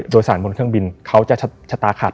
โดยสารบนเครื่องบินเขาจะชะตาขาด